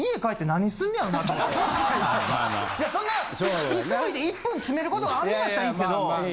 そんな急いで１分詰めることがあんねやったらいいんですけど。